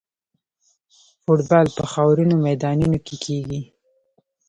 فوټبال په خاورینو میدانونو کې کیږي.